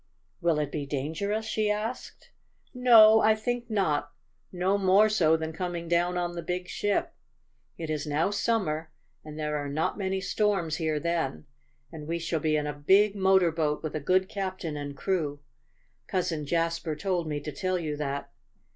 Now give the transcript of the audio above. "Will it be dangerous?" she asked. "No, I think not. No more so than coming down on the big ship. It is now summer, and there are not many storms here then. And we shall be in a big motor boat with a good captain and crew. Cousin Jasper told me to tell you that.